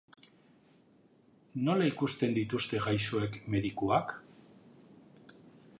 Nola ikusten dituzte gaixoek medikuak?